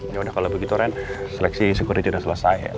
yaudah kalau begitu ren seleksi security udah selesai